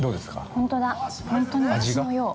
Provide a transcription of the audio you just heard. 本当に梨のよう。